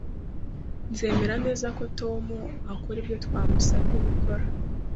Nzemeza neza ko Tom akora ibyo twamusabye gukora